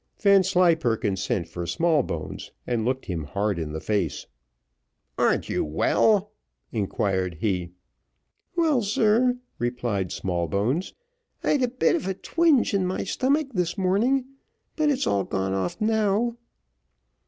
Vanslyperken sent for Smallbones, and looked him hard in the face. "Ar'n't you well?" inquired he. "Well, sir!" replied Smallbones: "I'd a bit of a twinge in my stummick this morning, but it's all gone off now."